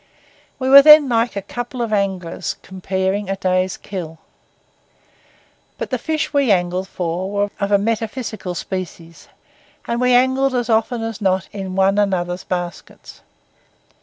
We were then like a couple of anglers comparing a day's kill. But the fish we angled for were of a metaphysical species, and we angled as often as not in one another's baskets.